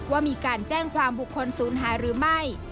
ว่ามีการแจ้งความบุคคลศูนย์หายหรือไม่